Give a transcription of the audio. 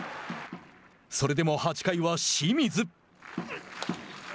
それでも８回は清水。